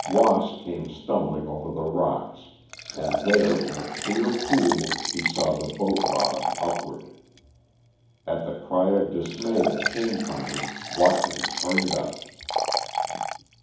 Wass came stumbling over the rocks, and there in a clear pool he saw the boat bottom upward. At the cry of dismay that came from him, Watkins hurried up.